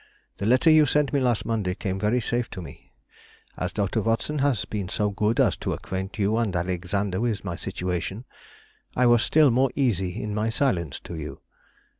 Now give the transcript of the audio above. The letter you sent me last Monday came very safe to me. As Dr. Watson has been so good as to acquaint you and Alexander with my situation, I was still more easy in my silence to you.